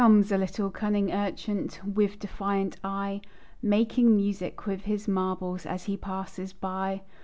Comes a cunning little urchin With defiant eye, "Making music" with his marbles As he passes by.